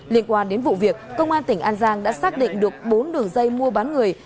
liên quan đến vụ việc công an tỉnh an giang đã xác định được bốn đường dây mua bán người